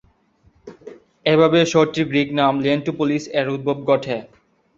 এইভাবেই শহরটির গ্রিক নাম "লিয়েন্টোপোলিস"-এর উদ্ভব ঘটে।